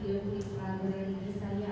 saya tidak mengetahui